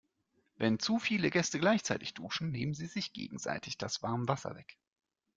Wenn zu viele Gäste gleichzeitig duschen, nehmen sie sich gegenseitig das Warmwasser weg.